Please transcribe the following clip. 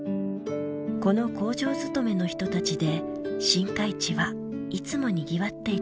この工場勤めの人たちで新開地はいつもにぎわっていたんだとか。